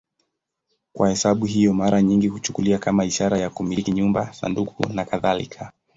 Kwa sababu hiyo, mara nyingi huchukuliwa kama ishara ya kumiliki nyumba, sanduku nakadhalika.